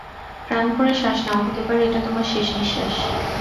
প্রাণ ভরে শ্বাস নাও, হতে পারে এটা তোমার শেষ নিশ্বাস।